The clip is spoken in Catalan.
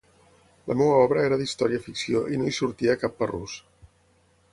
La meva obra era d'història ficció i no hi sortia cap parrús.